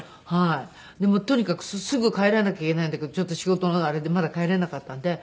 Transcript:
とにかくすぐ帰らなきゃいけないんだけどちょっと仕事のあれでまだ帰れなかったんで。